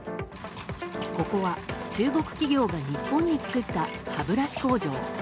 ここは、中国企業が日本に作った歯ブラシ工場。